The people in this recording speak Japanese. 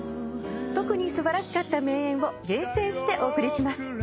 特に素晴らしかった名演を厳選してお送りします。